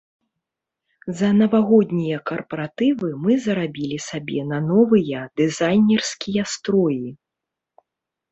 За навагоднія карпаратывы мы зарабілі сабе на новыя дызайнерскія строі.